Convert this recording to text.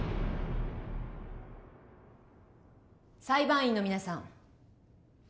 裁判員の皆さん。